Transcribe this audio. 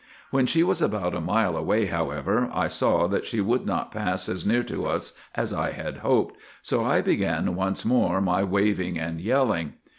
When she was about a mile away, however, I saw that she would not pass as near to us as I had hoped ; so I began once more my waving and yelling.